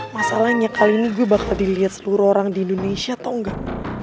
masalahnya kali ini gue bakal dilihat seluruh orang di indonesia atau enggak